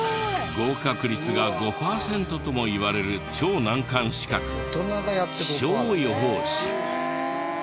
合格率が５パーセントともいわれる超難関資格気象予報士。